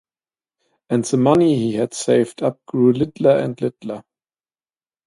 And the money he had saved up grew littler and littler.